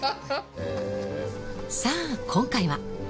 さあ今回は。